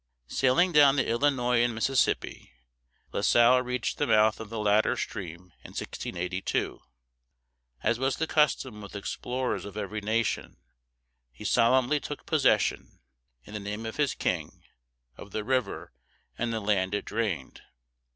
Sailing down the Illinois and Mississippi, La Salle reached the mouth of the latter stream in 1682. As was the custom with explorers of every nation, he solemnly took possession, in the name of his king, of the river and the land it drained.